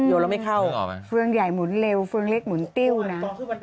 โยนแล้วไม่เข้าฟื้องใหญ่หมุนเร็วฟื้องเล็กหมุนติ้วนะ